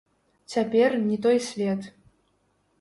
Цяпер не той свет.